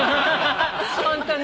ホントね。